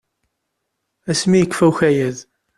Asmi i yekfa ukayad.